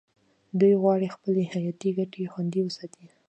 دوی غواړي خپلې حیاتي ګټې خوندي وساتي